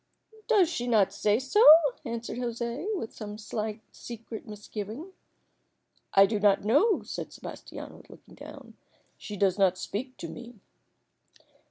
"Does she not say so?" answered José, with some slight secret misgiving. "I do not know," said Sebastiano, looking down. "She does not speak to me."